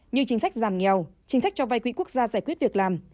như chính sách giảm nghèo chính sách cho vay quỹ quốc gia giải quyết việc làm